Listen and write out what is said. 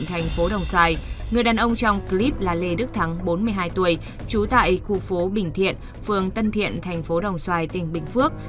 khu phố bình thiện phường tân thiện tp đồng xoài tỉnh bình phước